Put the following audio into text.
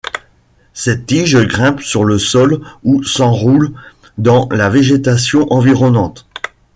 Ces tiges grimpent sur le sol ou s'enroulent dans la végétation environnante.